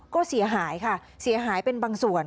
ก็เสียหายค่ะเสียหายเป็นบางส่วน